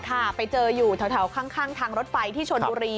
ค่ะไปเจออยู่แถวข้างทางรถไฟที่ชนบุรี